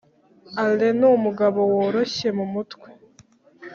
Alain numugabo woroshye mumutwe